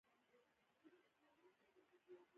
پیلوټ د نورو پیلوټانو مشوره مني.